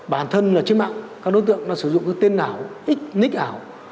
bản thân là trên mạng các đối tượng nó sử dụng tên ảo nick ảo